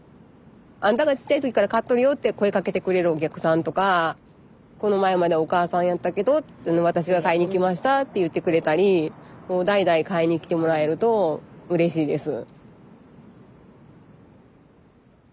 「あんたがちっちゃい時から買っとるよ」って声かけてくれるお客さんとか「この前までお母さんやったけど私が買いに来ました」って言ってくれたりもう代々買いに来てもらえるとうれしいです。